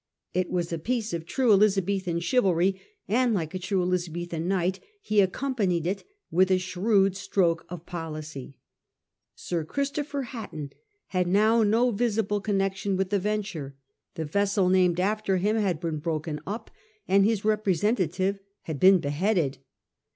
It was a piece of true Elizabethan chivalry, and like a true Elizabethan knight he accompanied it with a shrewd stroke of policy. Sir Christopher Hatton had now no visible connection with the venture. The vessel named after him had been broken up, and his representative had been beheaded.